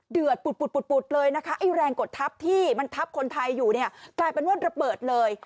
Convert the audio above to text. เดือดปุดเลยนะคะไอ้แรงกดทับที่มันทับคนไทยอยู่เนี่ยกลายเป็นว่าระเบิดเลย